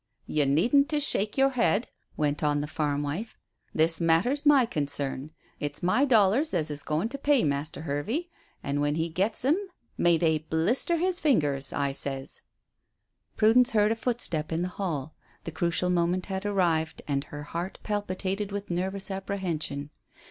"You needn't to shake your head," went on the farm wife. "This matter's my concern. It's my dollars as is goin' to pay Master Hervey an' when he gets 'em may they blister his fingers, I sez." Prudence heard a footstep in the hall. The crucial moment had arrived, and her heart palpitated with nervous apprehension.